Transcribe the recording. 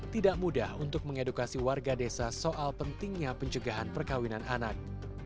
tidak mudah untuk mengedukasi warga desa soal pentingnya pencegahan perkawinan anak